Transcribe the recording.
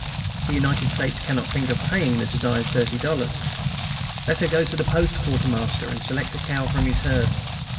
The United States cannot think of paying the desired thirty dollars. Let her go to the Post Quartermaster and select a cow from his herd.